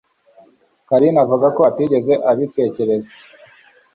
carine avuga ko atigeze abitekereza